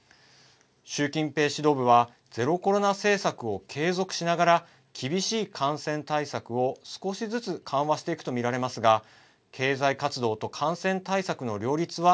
習近平指導部はゼロコロナ政策を継続しながら厳しい感染対策を少しずつ緩和していくと見られますが経済活動と感染対策の両立は